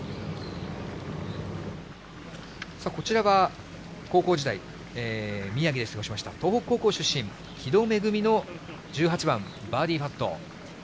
こちらは高校時代、宮城で過ごしました、東北高校出身、木戸愛の１８番、バーディーパット。